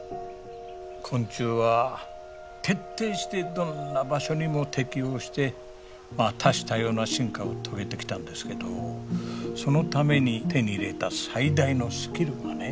昆虫は徹底してどんな場所にも適応して多種多様な進化を遂げてきたんですけどそのために手に入れた最大のスキルがね